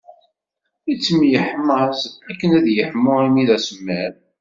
Ittemyeḥmaẓ akken ad yeḥmu imi d asemmiḍ.